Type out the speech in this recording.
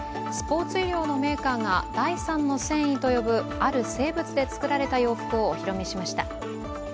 スポーツ衣料のメーカーが第３の繊維と呼ぶある生物で作られた洋服をお披露目しました。